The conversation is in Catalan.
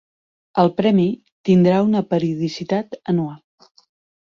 El Premi tindrà una periodicitat anual.